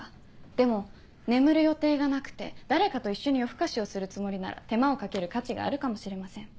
でも眠る予定がなくて誰かと一緒に夜更かしをするつもりなら手間をかける価値があるかもしれません。